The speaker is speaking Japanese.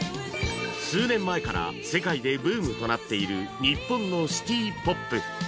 数年前から世界でブームとなっている日本のシティポップ